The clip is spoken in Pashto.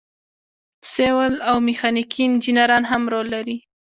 سیول او میخانیکي انجینران هم رول لري.